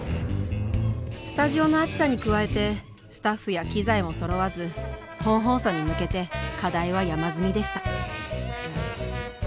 スタジオの暑さに加えてスタッフや機材もそろわず本放送に向けて課題は山積みでした